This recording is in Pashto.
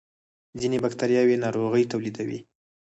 ځینې بکتریاوې ناروغۍ تولیدوي